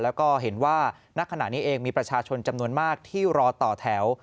แล้วก็เห็นว่าณขณะนี้เองมีประชาชนจำนวนมากที่รอต่อแถว